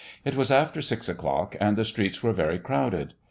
It was after six o'clock and the streets were very crowded.